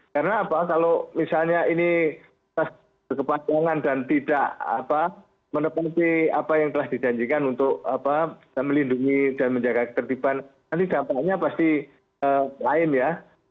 karena kalau misalnya ini terkepatongan dan tidak menepati apa yang telah didanjikan untuk melindungi dan menjaga ketertiban nanti dampaknya pasti lain ya